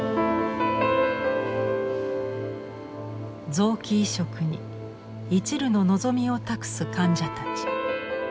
臓器移植にいちるの望みを託す患者たち。